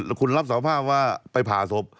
คุณรับสารภาพว่าไปผ่าศพ